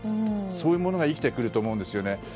そういうものが生きてくると思うんですよ。